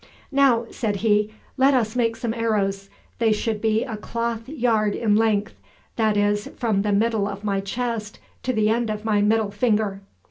"Now," said he, "let us make some arrows. They should be a cloth yard in length that is, from the middle of my chest to the end of my middle finger."